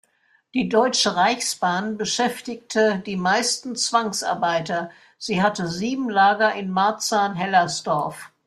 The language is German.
Die Deutsche Reichsbahn beschäftigte die meisten Zwangsarbeiter, sie hatte sieben Lager in Marzahn-Hellersdorf.